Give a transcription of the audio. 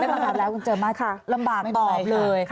ไม่เป็นไรครับคุณเจอมาลำบากตอบเลย